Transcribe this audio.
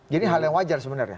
jadi hal yang wajar sebenarnya